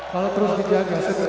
kalau terus dijaga